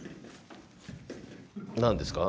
何ですか？